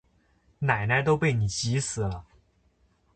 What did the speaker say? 奶奶都被你急死了